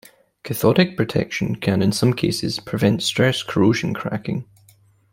Cathodic protection can, in some cases, prevent stress corrosion cracking.